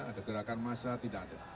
ada gerakan massa tidak ada